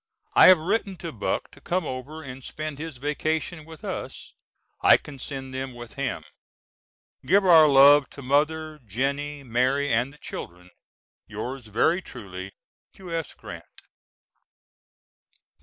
I have written to Buck to come over and spend his vacation with us. I can send them with him. Give our love to Mother, Jennie, Mary and the children. Yours very truly, U.S. GRANT.